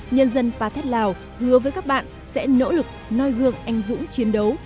nhân dân pát thét lào hứa với các bạn sẽ nỗ lực nôi gương anh dũng chiến đấu